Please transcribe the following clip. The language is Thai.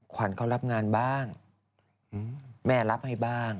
ขวัญเขารับงานบ้างแม่รับให้บ้าง